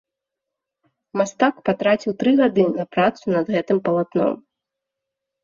Мастак патраціў тры гады на працу над гэтым палатном.